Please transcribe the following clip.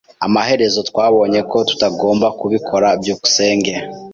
Amaherezo twabonye ko tutagomba kubikora. byukusenge